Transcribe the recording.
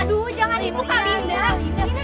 aduh jangan dibuka linda